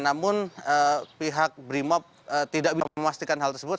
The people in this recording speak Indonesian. namun pihak brimob tidak memastikan hal tersebut